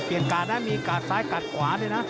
เปลี่ยนการได้มีการซ้ายการขวาด้วยนะ